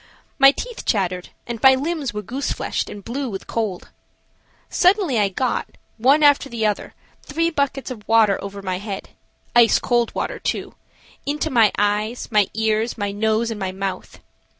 My teeth chattered and my limbs were goose fleshed and blue with cold. Suddenly I got, one after the other, three buckets of water over my head–ice cold water, too–into my eyes, my ears, my nose and my mouth.